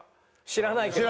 知らないけど。